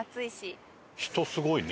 富澤：人、すごいね。